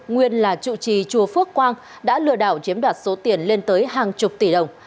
nguyên là chủ trì chùa phước quang đã lừa đảo chiếm đoạt số tiền lên tới hàng chục tỷ đồng